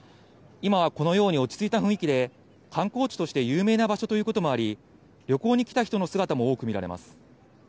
今はこのように落ち着いた雰囲気で、観光地として有名な場所ということもあり、旅行に来た人の姿も多く見られます。